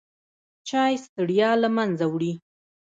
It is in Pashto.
چای ستړیا له منځه وړي.